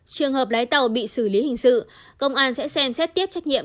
trường hợp lái tàu bị xử lý hình sự công an sẽ xem xét tiếp trách nhiệm